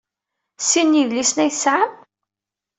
Sin n yidlisen ay tesɛam?